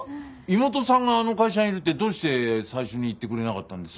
妹さんがあの会社にいるってどうして最初に言ってくれなかったんです？